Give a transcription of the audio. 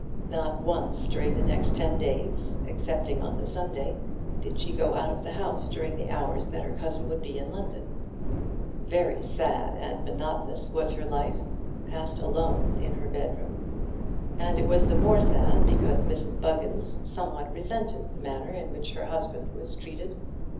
Not once during the next ten days, excepting on the Sunday, did she go out of the house during the hours that her cousin would be in London. Very sad and monotonous was her life, passed alone in her own bedroom. And it was the more sad, because Mrs Buggins somewhat resented the manner in which her husband was treated.